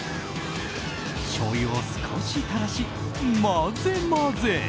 しょうゆを少し垂らし、混ぜ混ぜ。